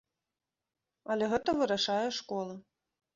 Але гэта вырашае школа.